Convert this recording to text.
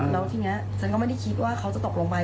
แล้วทีนี้ฉันก็ไม่ได้คิดว่าเขาจะตกลงไป